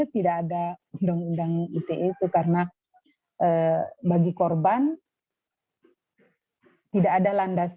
tidak ada undang undang ite itu karena bagi korban tidak ada landasan